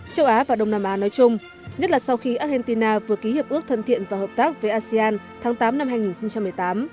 châu á và đông nam á nói chung nhất là sau khi argentina vừa ký hiệp ước thân thiện và hợp tác với asean tháng tám năm hai nghìn một mươi tám